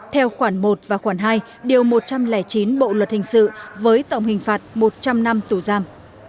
theo khoản một và khoản hai điều một trăm linh chín bộ luật hình sự với tổng hình phạt một trăm linh năm tù giam